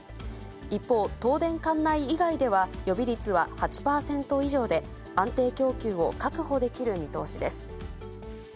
一方、東電管内以外では予備率は８％以上で、安定供給を確保できる見通しです。